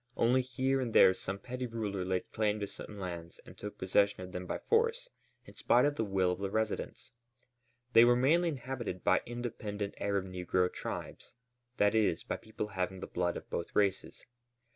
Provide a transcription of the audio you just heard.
Only here and there some petty ruler laid claim to some lands and took possession of them by force in spite of the will of the residents. They were mainly inhabited by independent Arab negro tribes, that is, by people having the blood of both races.